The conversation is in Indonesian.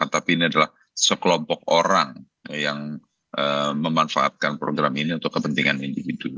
tapi ini adalah sekelompok orang yang memanfaatkan program ini untuk kepentingan individu